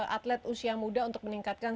atlet usia muda untuk meningkatkan